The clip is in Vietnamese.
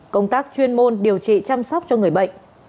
công tác chuyên môn điều trị chăm sóc cho người bệnh